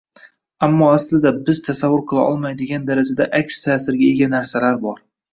ammo aslida biz tasavvur qila olmaydigan darajada aks ta’sirga ega narsalar bor